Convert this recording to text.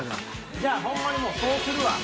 じゃあホンマにもうそうするわ。